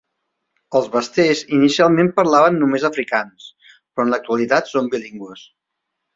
Els basters inicialment parlaven només afrikaans, però en l'actualitat són bilingües.